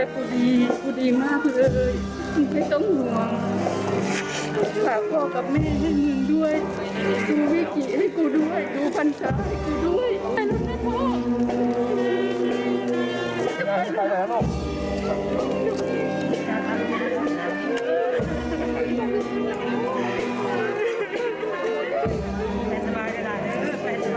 คุณไม่ต้องห่วงขอพ่อกับแม่หนึ่งหนึ่งด้วยดูวิกฤทธิ์ให้กูด้วยดูฟรรษาให้กูด้วย